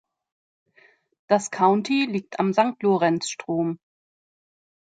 Das County liegt am Sankt-Lorenz-Strom.